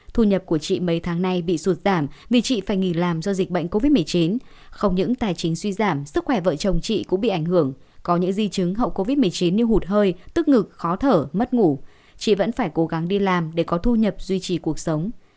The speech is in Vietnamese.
thu nhập của chị mấy tháng nay bị sụt giảm vì chị phải nghỉ làm do dịch bệnh covid một mươi chín không những tài chính suy giảm sức khỏe vợ chồng chị cũng bị ảnh hưởng có những di chứng hậu covid một mươi chín như hụt hơi tức ngực khó thở mất ngủ chị vẫn phải cố gắng đi làm để có thu nhập duy trì cuộc sống